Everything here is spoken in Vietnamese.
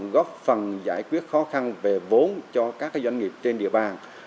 góp phần giải quyết khó khăn về vốn cho các doanh nghiệp trên địa bàn